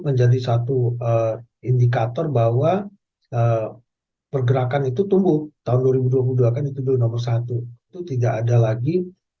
menjadi satu indikator bahwa pergerakan itu tumbuh tahun dua ribu dua puluh dua kan itu dulu nomor satu itu tidak ada lagi